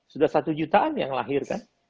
sudah satu jutaan yang lahir kan